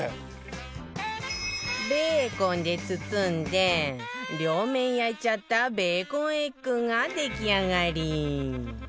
ベーコンで包んで両面焼いちゃったベーコンエッグが出来上がり